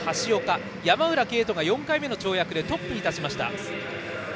そして山浦渓斗が４回目の跳躍でトップに立ちました。